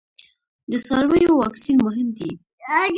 د څارویو واکسین مهم دی